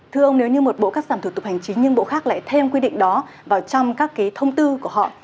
thưa ông nếu như một bộ cắt giảm thủ tục hành chính nhưng bộ khác lại thêm quy định đó vào trong các cái thông tư của họ